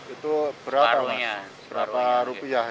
itu berapa mas berapa rupiah